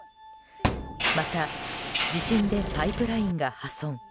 また地震でパイプラインが破損。